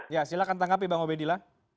ya silahkan tanggapi bang obe dila